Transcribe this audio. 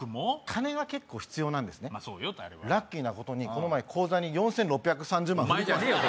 金が結構必要なんですねラッキーなことにこの前口座に４６３０万お前じゃねえよ